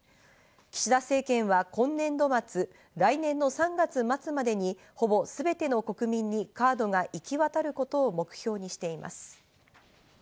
岸田政権は今年度末、来年の３月末までにほぼすべての国民にカードが行き渡ることを目標にしています。